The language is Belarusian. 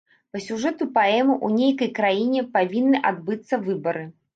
Па сюжэту паэмы ў нейкай краіне павінны адбыцца выбары.